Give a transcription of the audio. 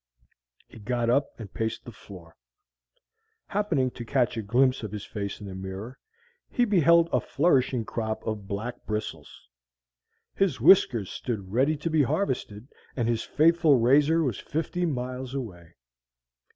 He got up and paced the floor. Happening to catch a glimpse of his face in the mirror, he beheld a flourishing crop of black bristles. His whiskers stood ready to be harvested, and his faithful razor was fifty miles away!